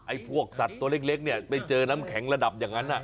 พวกสัตว์ตัวเล็กเนี่ยไปเจอน้ำแข็งระดับอย่างนั้น